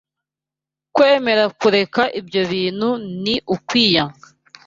Kwemera kureka ibyo bintu ni ukwiyanga